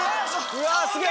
うわすげぇ！